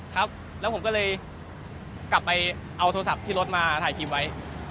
ครับแล้วผมก็เลยกลับไปเอาโทรศัพท์ที่รถมาถ่ายคลิปไว้